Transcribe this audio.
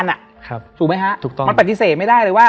และวันนี้แขกรับเชิญที่จะมาเยี่ยมในรายการสถานีผีดุของเรา